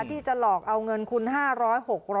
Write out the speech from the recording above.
ที่จะหลอกเอาเงินคุณ๕๐๐๖๐๐